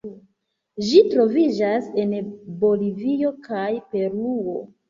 Ĝi troviĝas en Bolivio kaj Peruo.